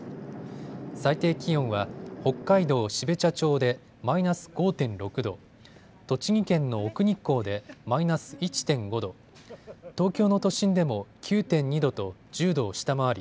最低気温は北海道標茶町でマイナス５．６度、栃木県の奥日光でマイナス１．５度、東京の都心でも９．２度と１０度を下回り